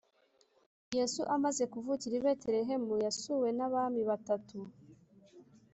Yesu amaze kuvukira i Betelehemu yasuwe n’abami batatu